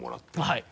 はい。